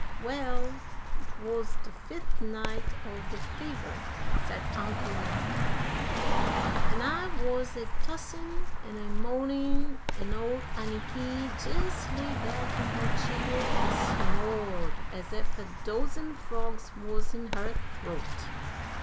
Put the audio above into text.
"Well, it wuz de fift night o' de fever," said Uncle Ned, "an' I wuz a tossin' an' a moanin', an' old Anniky jes' lay back in her cheer an' snored as ef a dozen frogs wuz in her throat.